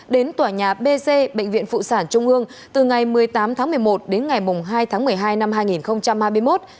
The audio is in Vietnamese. đến tòa nhà b c bệnh viện phụ sản trung ương từ ngày một mươi tám tháng một mươi một đến ngày hai tháng một mươi hai năm hai nghìn hai mươi một